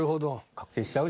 確定しちゃう？